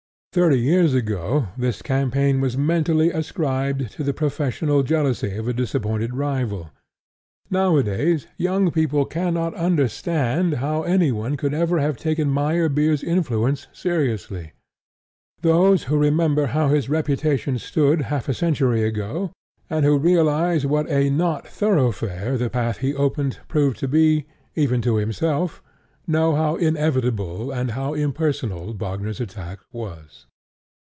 Thirty years ago this campaign was mentably ascribed to the professional jealousy of a disappointed rival. Nowadays young people cannot understand how anyone could ever have taken Meyerbeer's influence seriously. Those who remember how his reputation stood half a century ago, and who realize what a nothoroughfare the path he opened proved to be, even to himself, know how inevitable and how impersonal Wagner's attack was.